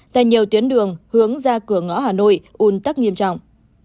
tại nhiều tuyến đường hướng ra cửa ngõ hà nội un tắc nghiêm trọng